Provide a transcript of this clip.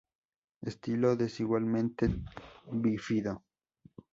Estilo desigualmente bífido.